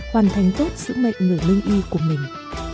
hoàn thành tốt sứ mệnh người lương y của mình